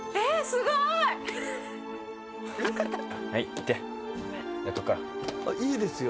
すごいはい行ってやっとくからごめんいいですよ